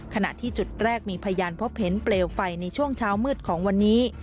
ขณะที่จุดแรกมีพยานพบเห็นเปลวไฟในช่วงเช้ามืดของวันนี้